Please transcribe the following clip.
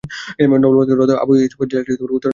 লবণাক্ত হ্রদ আবু-ই-ইস্তাদা জেলাটির উত্তর অঞ্চলে অবস্থিত।